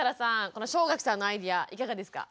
この正垣さんのアイデアいかがですか？